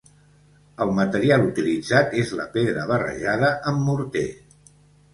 El material utilitzat és la pedra barrejada amb morter.